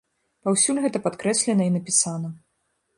Паўсюль гэта падкрэслена і напісана.